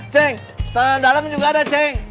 ceng ceng dalam juga ada ceng